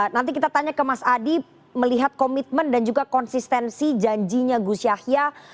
nanti kita tanya ke mas adi melihat komitmen dan juga konsistensi janjinya gus yahya